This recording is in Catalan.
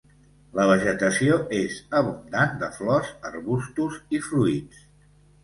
La vegetació és abundant de flors, arbustos i fruits.